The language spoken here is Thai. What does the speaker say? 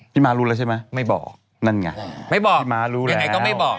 ม้ารู้แล้วใช่ไหมไม่บอกนั่นไงไม่บอกพี่ม้ารู้ยังไงก็ไม่บอก